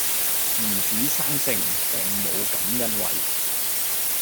兒子生性病母感欣慰